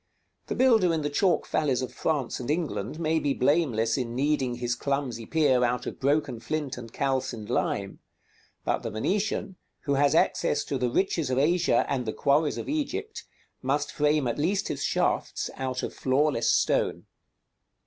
The builder in the chalk valleys of France and England may be blameless in kneading his clumsy pier out of broken flint and calcined lime; but the Venetian, who has access to the riches of Asia and the quarries of Egypt, must frame at least his shafts out of flawless stone.